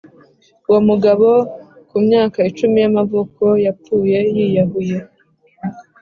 Uwo mugabo, ku myaka icumi y’amavuko, yapfuye yiyahuye